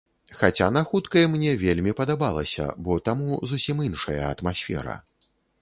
Хаця на хуткай мне вельмі падабалася, бо таму зусім іншая атмасфера.